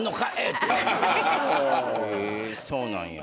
へぇそうなんや。